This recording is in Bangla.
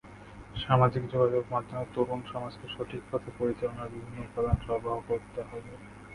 সামাজিক যোগাযোগমাধ্যমে তরুণ সমাজকে সঠিক পথে পরিচালনার বিভিন্ন উপাদান সরবরাহ করতে হবে।